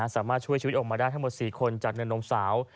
สามารถช่วยชีวิตออกมาได้ทั้งหมด๔คนจากเนินนมสาว